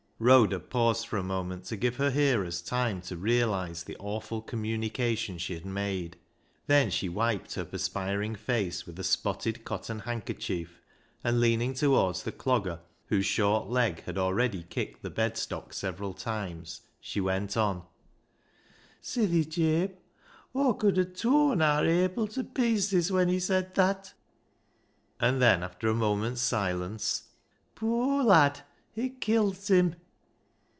Rhoda paused for a moment to give her hearers time to realise the awful communication she had made. Then she wiped her perspiring face with a spotted cotton handkerchief, and, leaning towards the Clogger, whose short leg had already kicked the bed stock several times, she went on —" Sithi, Jabe ; Aw could ha' torn aar Abil to pieces when he said that." And then, after a moment's silence, " Poor lad, it kilt him."